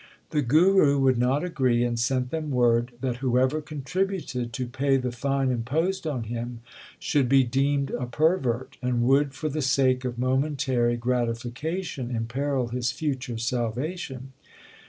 The Guru would not agree, and sent them word, that who ever contributed to pay the fine imposed on him should be deemed a pervert, and would for the sake of momentary gratification imperil his future salvation.